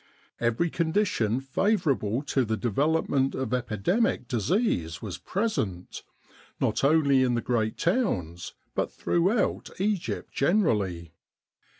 Every con dition favourable to the development of epidemic disease was present, not only in the great towns, but 4 Retrospect throughout Egypt generally.